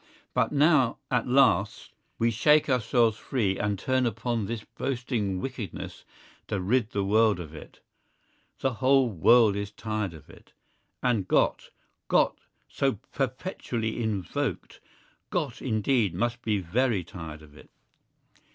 But now at last we shake ourselves free and turn upon this boasting wickedness to rid the world of it. The whole world is tired of it. And "Gott!"—Gott so perpetually invoked—Gott indeed must be very tired of it.